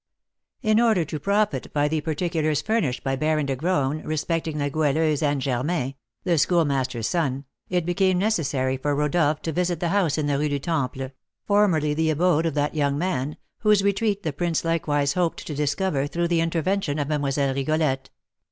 In order to profit by the particulars furnished by Baron de Graün respecting La Goualeuse and Germain, the Schoolmaster's son, it became necessary for Rodolph to visit the house in the Rue du Temple, formerly the abode of that young man, whose retreat the prince likewise hoped to discover through the intervention of Mlle. Rigolette.